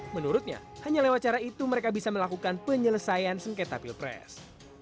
menurutnya hanya lewat cara itu mereka bisa melakukan penyelesaian sengketa pilpres